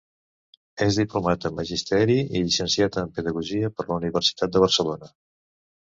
És diplomat en Magisteri i llicenciat en Pedagogia per la Universitat de Barcelona.